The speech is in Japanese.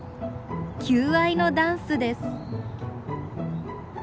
求愛のダンスです。